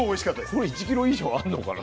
これ１ｋｇ以上あるのかな？